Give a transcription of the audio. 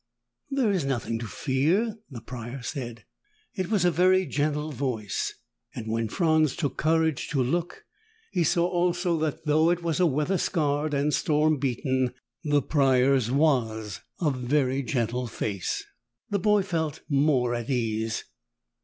"There is nothing to fear," the Prior said. It was a very gentle voice and, when Franz took courage to look, he saw also that, though it was weather scarred and storm beaten, the Prior's was a very gentle face. The boy felt more at ease.